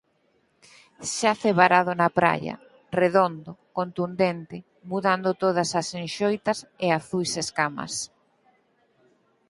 Xace varado na praia, redondo, contundente, mudando todas as enxoitas e azuis escamas.